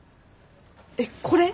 えっこれ？